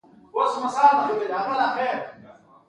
د پوزې د بندیدو لپاره کوم څاڅکي وکاروم؟